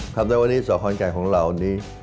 ทำแต่วันนี้สอขอนแก่ของเรานี้